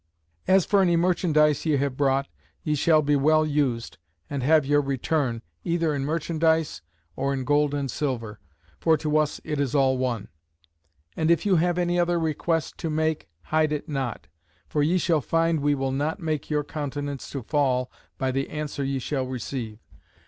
As for any merchandise ye have brought, ye shall be well used, and have your return, either in merchandise, or in gold and silver: for to us it is all one. And if you have any other request to make, hide it not. For ye shall find we will not make your countenance to fall by the answer ye shall receive.